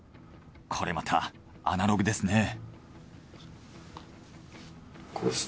これまたアナログですねぇ。